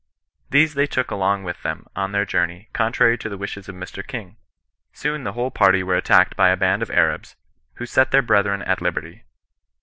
These they took along with them, on their journey, contrary to the wishes of Mr King. Soon the whole party were attacked by a band of Arabs, who set their brethren at liberty.